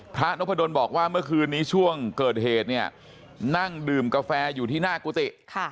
นพดลบอกว่าเมื่อคืนนี้ช่วงเกิดเหตุเนี่ยนั่งดื่มกาแฟอยู่ที่หน้ากุฏิ